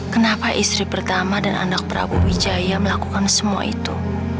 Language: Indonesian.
kenapa istri pertama dan anak prabu wijaya melakukan semua itu